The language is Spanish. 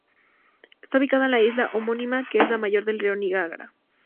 Está ubicada en la isla homónima, que es la mayor del río Niágara.